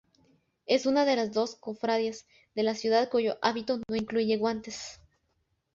Es una de las dos cofradías de la ciudad cuyo hábito no incluye guantes.